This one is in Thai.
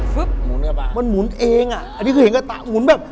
ฟึ๊บมูลเข้ากับมันหมุนเองนี่คือเห็นกระตานหมุนแบบ